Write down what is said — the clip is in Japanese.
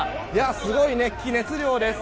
すごい熱気・熱量です。